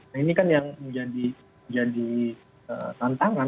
nah ini kan yang menjadi tantangan dalam rehabilitasi hutan dan lahan